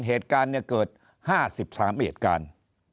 เหตุการณ์เกิด๕๓เหตุการณ์